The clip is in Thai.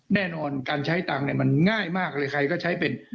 แน่นอนการใช้ตังค์เนี่ยมันง่ายมากเลยใครก็ใช้เป็น